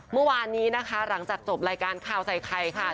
เมื่อวานนี้นะคะหลังจากจบรายการข่าวใส่ไข่ค่ะ